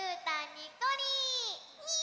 にっこり！